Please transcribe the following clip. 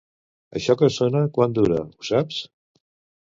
Això que sona quant dura ho saps?